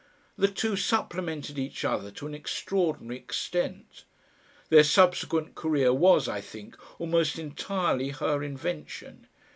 The two supplemented each other to an extraordinary extent. Their subsequent career was, I think, almost entirely her invention.